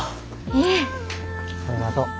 ありがとう。